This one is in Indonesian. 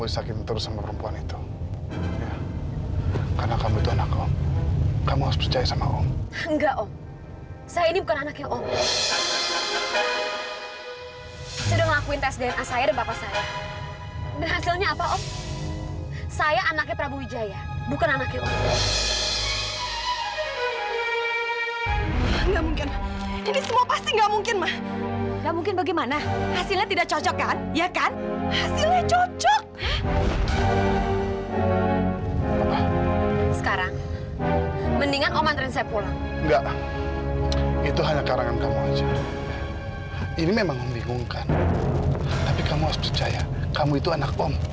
sampai jumpa di video selanjutnya